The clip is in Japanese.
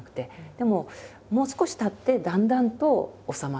でももう少したってだんだんと収まってきた感じ。